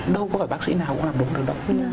đâu có phải bác sĩ nào cũng làm đúng được đâu